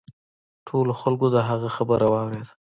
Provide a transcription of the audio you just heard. ټولو خلکو د هغه خبره واوریده.